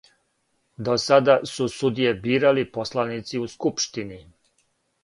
До сада су судије бирали посланици у скупштини.